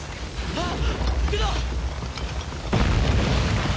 あっ。